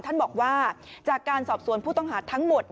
ท่านบอกว่าจากการสอบสวนผู้ต้องหาทั้งหมด